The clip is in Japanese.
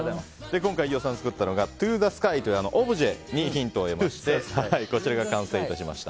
今回飯尾さんが作ったのがＴＯＴＨＥＳＫＹというオブジェにヒントを得ましてこちらが完成しました。